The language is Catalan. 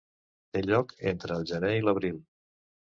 Té lloc entre el gener i l'abril.